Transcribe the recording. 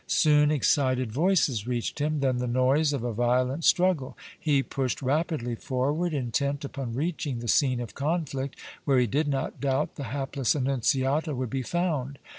Soon excited voices reached him, then the noise of a violent struggle. He pushed rapidly forward, intent upon reaching the scene of conflict, where he did not doubt the hapless Annunziata would be found.